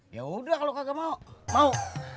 ya udah kalau kagak mau mau